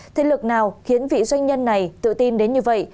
thế lực nào khiến vị doanh nhân này tự tin đến như vậy